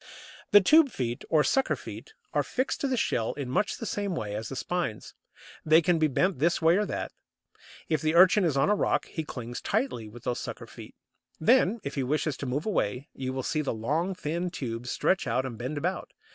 The tube feet, or sucker feet, are fixed to the shell in much the same way as the spines. They can be bent this way or that. If the Urchin is on a rock he clings tightly with these sucker feet; then, if he wishes to move away, you will see the long thin tubes stretch out and bend about.